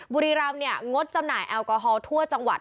บุรีรำเนี่ยงดจำหน่ายแอลกอฮอล์ทั่วจังหวัด